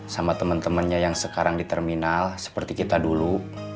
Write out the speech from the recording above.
sama teman temannya yang sekarang di terminal seperti kita dulu